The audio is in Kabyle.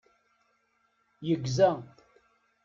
Yegza.